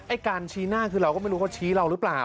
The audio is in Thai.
การชี้หน้าคือเราก็ไม่รู้เขาชี้เราหรือเปล่า